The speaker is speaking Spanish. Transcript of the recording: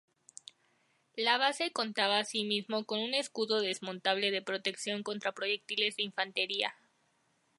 La base contaba asimismo con un escudo desmontable de protección contra proyectiles de infantería.